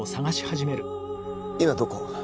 今どこ？